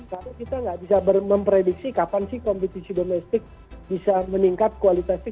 karena kita gak bisa memprediksi kapan sih kompetisi domestik bisa meningkat kualitasnya